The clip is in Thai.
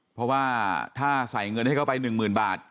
เพราะว่าถ้าใส่เงินให้เขาไป๑๐๐๐บาท